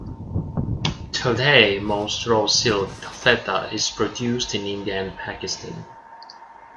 Today most raw silk taffeta is produced in India and Pakistan.